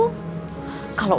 kalau untuk suami